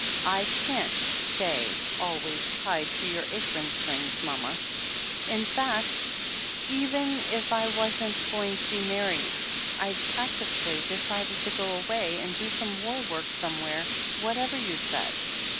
I can't stay always tied to your apron strings, mama. In fact, even if I wasn't going to be married, I'd practically decided to go away and do some war work somewhere, whatever you said.